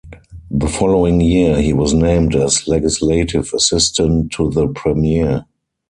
The following year, he was named as Legislative Assistant to the Premier.